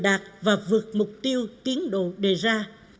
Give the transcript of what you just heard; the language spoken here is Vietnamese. đạt và vượt mục tiêu tiến độ đề ra